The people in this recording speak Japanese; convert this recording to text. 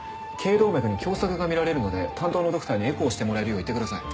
頸動脈に狭窄が見られるので担当のドクターにエコーしてもらえるよう言ってください。